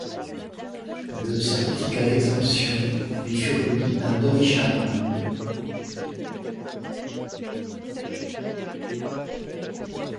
Le certificat d'exemption lui fut remis à Dorlisheim.